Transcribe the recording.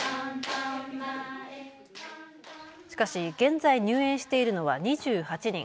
しかし現在、入園しているのは２８人。